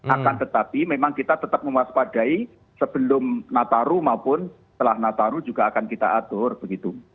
akan tetapi memang kita tetap memuas padai sebelum natal ruh maupun setelah natal ruh juga akan kita atur begitu